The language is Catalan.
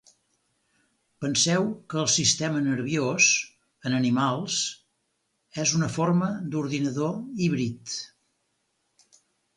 Penseu que el sistema nerviós en animals és una forma d'ordinador híbrid.